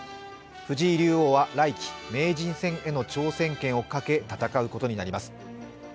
藤井竜王は来期、名人戦への挑戦権をかけ、戦うことになります。